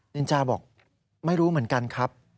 นินจาบอกไม่รู้เหมือนกันครับ